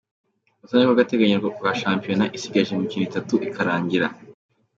Urutonde rw'agateganyo rwa shampiyona isigaje imikino itatu ikarangira.